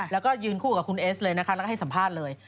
แล้วก็ยืนคู่กับคุณเอสเลยนะคะแล้วก็ให้สัมภาษณ์เลย